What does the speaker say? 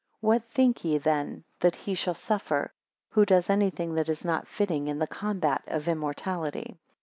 What think ye then that he shall suffer, who does anything that is not fitting in the combat of immortality?